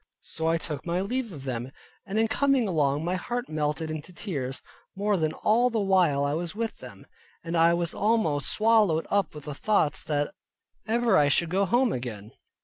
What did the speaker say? So I took my leave of them, and in coming along my heart melted into tears, more than all the while I was with them, and I was almost swallowed up with the thoughts that ever I should go home again.